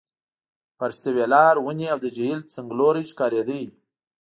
فرش شوي لار، ونې، او د جهیل څنګلوری ښکارېد.